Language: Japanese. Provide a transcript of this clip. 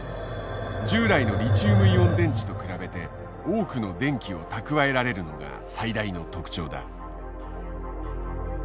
従来のリチウムイオン電池と比べて多くの電気を蓄えられるのが最大の特徴だ。